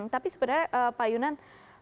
tapi sebenarnya pak yunan